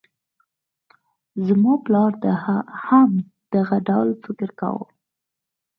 زما پلار هم دغه ډول فکر کاوه.